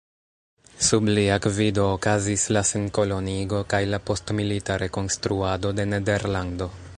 Sub lia gvido okazis la senkoloniigo kaj la postmilita rekonstruado de Nederlando.